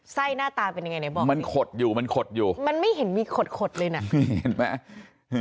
หน้าตาเป็นยังไงในบอลมันขดอยู่มันขดอยู่มันไม่เห็นมีขดขดเลยน่ะนี่เห็นไหม